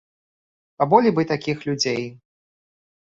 Паболей бы такіх людзей.